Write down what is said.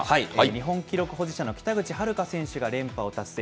日本記録保持者の北口榛花選手が連覇を達成。